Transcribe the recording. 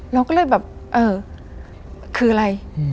เราก็เลยแบบเออคืออะไร